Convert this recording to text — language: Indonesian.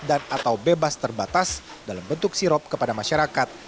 dan atau bebas terbatas dalam bentuk sirup kepada masyarakat